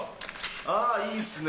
ああ、いいっすね。